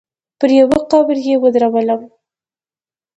پر يوه قبر يې ودرولم.